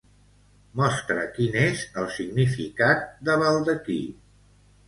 Mostra quin és el significat de baldaquí.